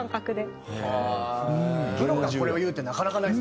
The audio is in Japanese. プロがこれを言うってなかなかないですよね。